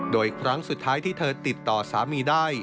โดยครั้งสุดท้ายที่เธอติดต่อสามีได้